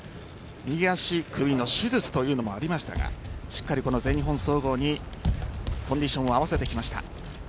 右足首の手術というのもありましたがしっかり全日本総合にコンディションを合わせてきました。